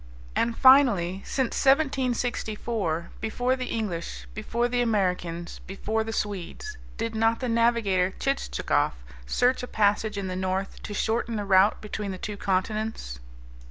And finally, since 1764, before the English, before the Americans, before the Swedes, did not the navigator Tschitschagoff search a passage in the North to shorten the route between the two continents?